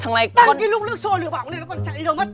tăng cái lúc nước sôi lửa bỏng lên nó còn chạy đi đâu mất